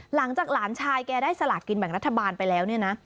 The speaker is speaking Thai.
หลังจากหลานชายแกได้สลากกินแบ่งรัฐบาลไปแล้วเนี่ยนะ